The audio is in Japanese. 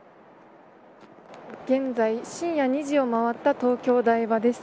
現在、深夜２時を回った東京、台場です。